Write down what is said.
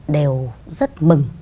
đều rất mừng